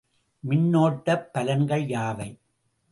மின்னோட்டப் பலன்கள் யாவை?